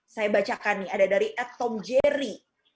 saya bacakan nih ada dari ed tom jerry